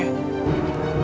kenapa emang ya